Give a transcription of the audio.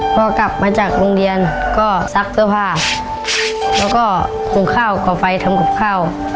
พอกลับมาจากโรงเรียนก็ซักเสื้อผ้าแล้วก็หุงข้าวก่อไฟทำกับข้าว